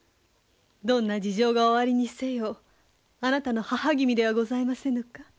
どんな事情がおありにせよあなたの母君ではございませぬか。